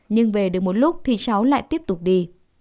nhưng về được một lúc thì cháu lại tiếp tục đi